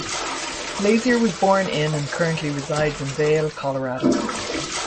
Lazier was born in and currently resides in Vail, Colorado.